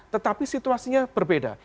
tetapi situasinya berbeda